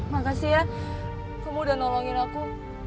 makasih ya kamu udah nolongin aku